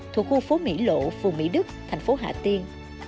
thuộc khu phố mỹ lộ phường mỹ đức thành phố hà tiên